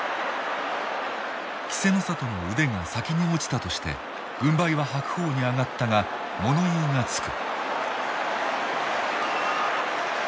稀勢の里の腕が先に落ちたとして軍配は白鵬に上がったが物言いがつく。